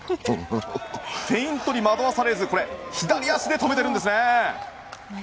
フェイントに惑わされず左足で止めてるんですね。